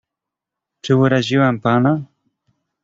"Czy uraziłam pana?"